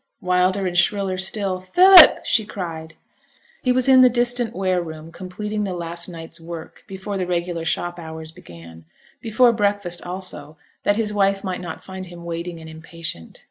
Wilder and shriller still, 'Philip!' she cried. He was in the distant ware room completing the last night's work before the regular shop hours began; before breakfast, also, that his wife might not find him waiting and impatient.